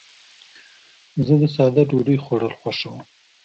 زه د ساده ډوډۍ خوړل خوښوم.